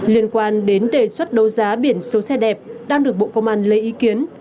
liên quan đến đề xuất đấu giá biển số xe đẹp đang được bộ công an lấy ý kiến